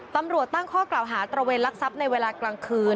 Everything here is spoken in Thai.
ตำรวจตั้งข้อกล่าวหาตระเวนลักทรัพย์ในเวลากลางคืน